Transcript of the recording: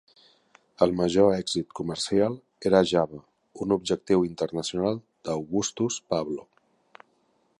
El major èxit comercial era "Java", un objectiu internacional d'Augustus Pablo.